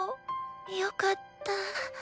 よかった。